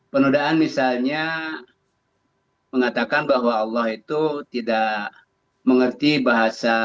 penodaan misalnya mengatakan bahwa allah itu tidak mengerti bahasa